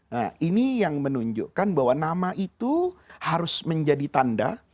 nah ini yang menunjukkan bahwa nama itu harus menjadi tanda